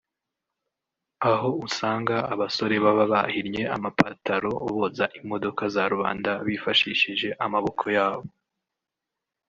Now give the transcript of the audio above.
aho usanga abasore baba bahinnye amapataro boza imodoka za rubanda bifashishije amaboko yabo